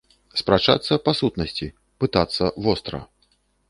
Спрачацца па сутнасці, пытацца востра.